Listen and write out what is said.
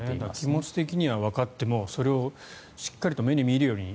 気持ち的にはわかってもそれをしっかり目に見えるように